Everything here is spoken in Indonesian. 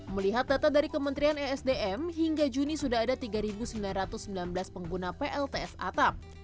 melihat data dari kementerian esdm hingga juni sudah ada tiga sembilan ratus sembilan belas pengguna plts atap